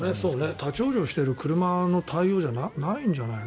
立ち往生してる車の対応じゃないんじゃないの？